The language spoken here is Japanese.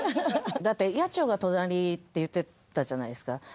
だって八千代が隣って言ってたじゃないですか。